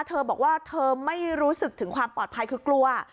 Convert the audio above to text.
เธอบอกว่าเธอไม่รู้สึกถึงความปลอดภัยคือกลัว